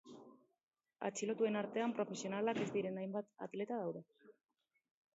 Atxilotuen artean profesionalak ez diren hainbat atleta daude.